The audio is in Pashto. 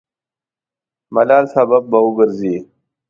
د ملال سبب به وګرځي.